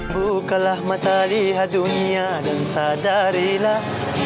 bukalah mata lihat dunia dan sadarilah